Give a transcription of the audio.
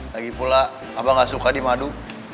lagipula abah gak suka dimadu